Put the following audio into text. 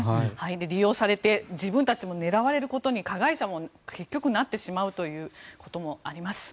利用されて自分たちも狙われることに加害者も結局、なってしまうということもあります。